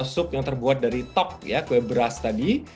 sup yang terbuat dari tok ya kue beras tadi